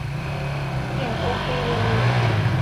เสียงโอเคเลย